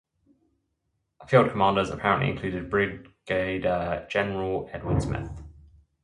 Field commanders apparently included Brigadier General Edward Smith.